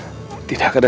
saya tidak berdua